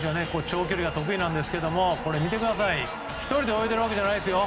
長距離が得意ですが見てください、１人で泳いでるわけじゃないですよ。